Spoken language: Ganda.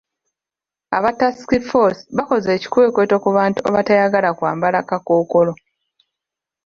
Aba tasiki ffoosi bakoze ekikwekweto ku bantu abatayagala kwambala kakookolo.